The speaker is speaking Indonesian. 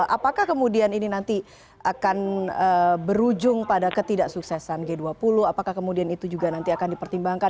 apakah kemudian ini nanti akan berujung pada ketidaksuksesan g dua puluh apakah kemudian itu juga nanti akan dipertimbangkan